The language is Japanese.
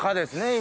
今。